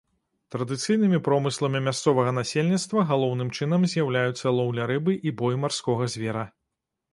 Традыцыйнымі промысламі мясцовага насельніцтва галоўным чынам з'яўляюцца лоўля рыбы і бой марскога звера.